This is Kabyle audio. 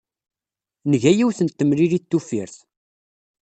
Nga yiwet n temlilit tuffirt.